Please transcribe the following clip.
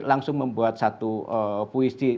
langsung membuat satu puisi